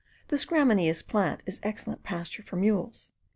This gramineous plant is excellent pasture for mules.)